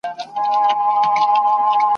تور مولوي به په شیطانه ژبه !.